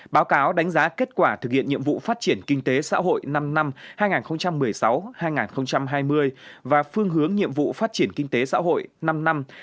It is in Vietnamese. báo cáo đánh giá kết quả thực hiện nhiệm vụ phát triển kinh tế xã hội năm năm hai nghìn một mươi sáu hai nghìn hai mươi và phương hướng nhiệm vụ phát triển kinh tế xã hội năm năm hai nghìn hai mươi một hai nghìn hai mươi năm